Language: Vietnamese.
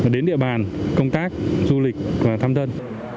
đến địa bàn công tác du lịch và thăm dân